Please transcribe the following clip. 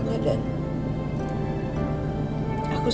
aku sempat nyedak martabak mas